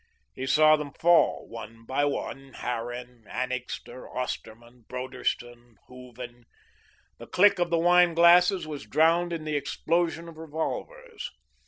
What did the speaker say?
He saw them fall, one by one, Harran, Annixter, Osterman, Broderson, Hooven. The clink of the wine glasses was drowned in the explosion of revolvers.